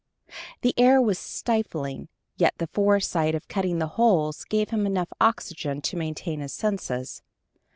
The air was stifling; yet the foresight of cutting the holes gave him enough oxygen to maintain his senses.